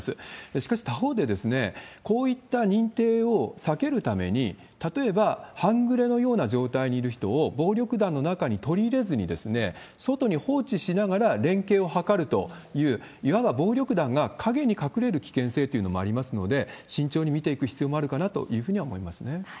しかし、他方でこういった認定を避けるために、例えば反グレのような状態にいる人を暴力団の中に取り入れずに、外に放置しながら連携を図るという、いわば暴力団が影に隠れる危険性というのもありますので、慎重に見ていく必要もあるかなというふうには思いますね。